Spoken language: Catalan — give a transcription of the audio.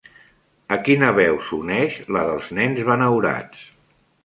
A quina veu s'uneix la dels nens benaurats?